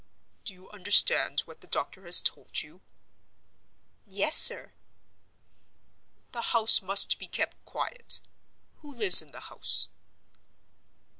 "Do you understand what the doctor has told you?" "Yes, sir." "The house must be kept quiet. Who lives in the house?"